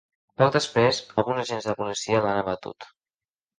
Poc després, alguns agents de policia l’han abatut.